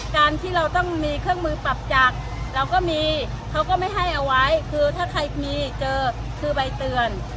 การที่เราต้องมีเครื่องมือปรับจักรเราก็มีเขาก็ไม่ให้เอาไว้คือถ้าใครมีเจอคือใบเตือน